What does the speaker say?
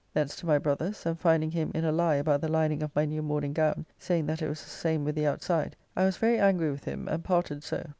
Thence to my brother's, and finding him in a lie about the lining of my new morning gown, saying that it was the same with the outside, I was very angry with him and parted so.